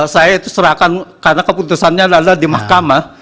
saya itu serahkan karena keputusannya adalah di mahkamah